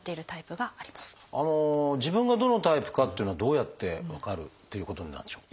自分がどのタイプかっていうのはどうやって分かるということになるんでしょう？